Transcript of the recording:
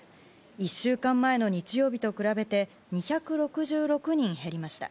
１週間前の日曜日と比べて２６６人減りました。